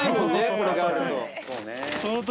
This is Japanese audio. これがあると。